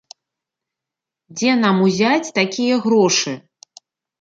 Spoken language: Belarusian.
Дзе нам узяць такія грошы?